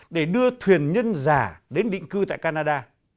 để đưa thuyền nhân giả đến định cư tại canada